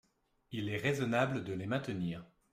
Il est raisonnable de les maintenir.